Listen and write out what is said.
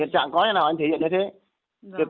trạng có như thế nào anh thể hiện như thế